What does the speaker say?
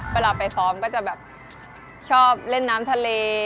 เวลาไปซ้อมก็จะแบบชอบเล่นน้ำทะเล